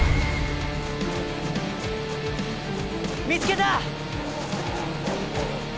見つけた！